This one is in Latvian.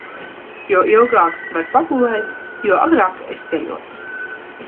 Jo ilgāk var pagulēt, jo agrāk es ceļos.